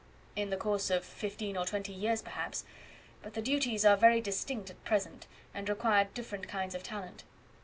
"In the course of fifteen or twenty years, perhaps; but the duties are very distinct at present, and require different kinds of talent."